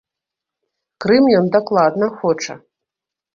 Крым ён дакладна хоча.